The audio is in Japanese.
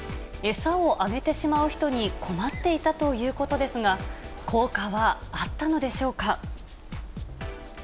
餌をあげてしまう人に困っていたということですが、効果はあったのでしょうか。